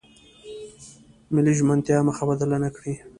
ملي ژمنتیا مخه بدله نکړي.